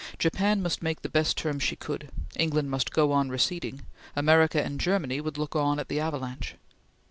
Japan must make the best terms she could; England must go on receding; America and Germany would look on at the avalanche.